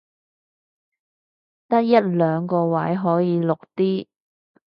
得一兩個位可以綠的